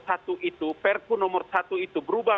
satu itu perpu nomor satu itu berubah